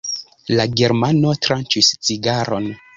La germano tranĉis cigaron.